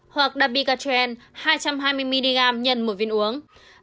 hoặc dabigatren hai trăm hai mươi mg x một viên uống